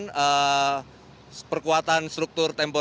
dan perkuatan struktur temporer